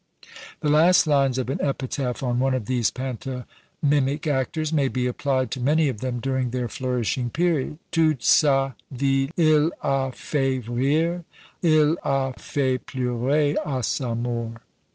The last lines of an epitaph on one of these pantomimic actors may be applied to many of them during their flourishing period: Toute sa vie il a fait rire; Il a fait pleurer Ã sa mort.